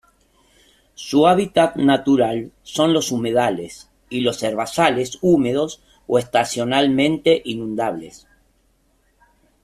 Su hábitat natural son los humedales y los herbazales húmedos o estacionalmente inundables.